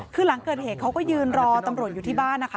คือหลังเกิดเหตุเขาก็ยืนรอตำรวจอยู่ที่บ้านนะคะ